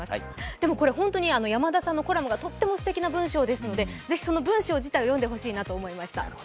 本当に山田さんのコラムがとってもすてきな文章ですので是非、文章自体を読んでほしいなと思いました。